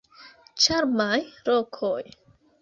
Ĉarmaj lokoj.